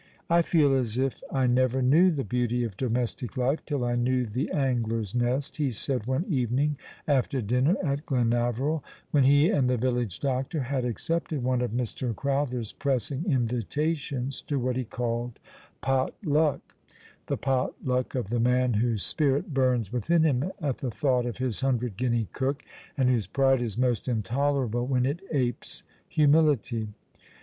" I feel as if I never knew the beauty of domestic life till I knew the Angler's Nest," he said one evening after dinner at Glenaveril, when he and the village doctor had accepted one of Mr. Crowther's pressing invitations to what he called "pot luck," the pot luck of the man whose spirit burns within him at the thought of his hundred guinea cook, and whose pride is most intolerable when it apes humility.